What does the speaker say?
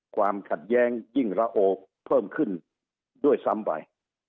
ความขัดแย้งยิ่งระโอเพิ่มขึ้นด้วยซ้ำไป